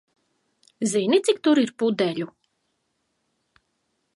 Zini, cik tur ir pudeļu?